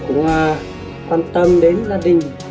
cũng quan tâm đến gia đình